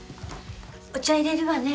お茶入れるわね。